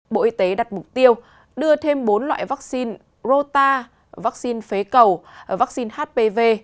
bộ y tế đặt mục tiêu đưa thêm bốn loại vắc xin rota vắc xin phế cầu vắc xin hpv